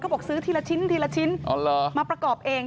บอกซื้อทีละชิ้นทีละชิ้นมาประกอบเอง